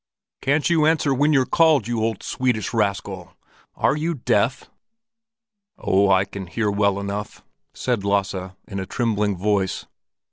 "Can't you answer when you're called, you old Swedish rascal? Are you deaf?" "Oh, I can answer well enough," said Lasse, in a trembling voice.